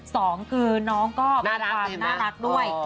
สองคือน้องก็เป็นน่ารักด้วย